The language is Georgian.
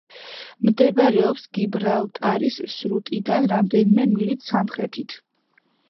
მდებარეობს გიბრალტარის სრუტიდან რამდენიმე მილით სამხრეთით.